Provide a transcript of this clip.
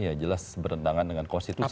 ya jelas bertentangan dengan konstitusi